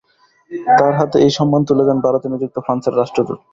তাঁর হাতে এই সম্মান তুলে দেন ভারতে নিযুক্ত ফ্রান্সের রাষ্ট্রদূত।